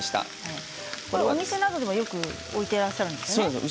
お店などでもよく置いていらっしゃるんですね。